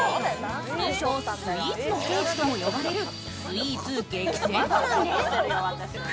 通称・スイーツの聖地とも呼ばれるスイーツ激戦区なんです。